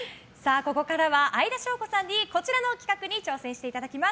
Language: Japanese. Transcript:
ここからは相田翔子さんにこちらの企画に挑戦していただきます。